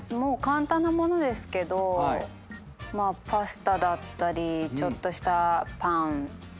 簡単な物ですけどパスタだったりちょっとしたパン。